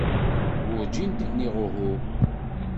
Werǧin d-nniɣ uhu.